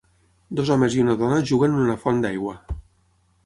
Dos homes i una dona juguen en una font d'aigua.